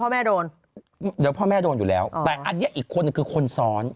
แม่โดนเดี๋ยวพ่อแม่โดนอยู่แล้วแต่อันนี้อีกคนนึงคือคนซ้อน